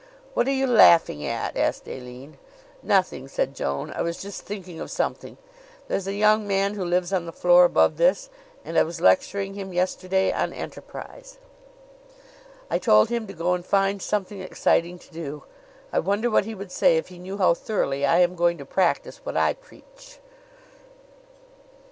"What are you laughing at?" asked Aline. "Nothing," said Joan. "I was just thinking of something. There's a young man who lives on the floor above this, and I was lecturing him yesterday on enterprise. I told him to go and find something exciting to do. I wonder what he would say if he knew how thoroughly I am going to practice what I preach!"